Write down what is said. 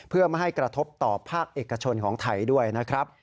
เพื่อไม่ให้กระทบต่อภาคเอกชนของไทยด้วยนะครับ